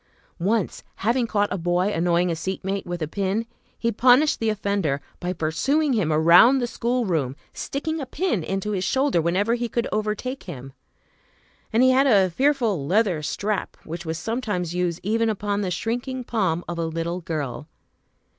Once, having caught a boy annoying a seat mate with a pin, he punished the offender by pursuing him around the schoolroom, sticking a pin into his shoulder whenever he could overtake him. And he had a fearful leather strap, which was sometimes used even upon the shrinking palm of a little girl.